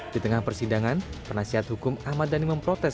di tengah persidangan penasihat hukum ahmad dhani memprotes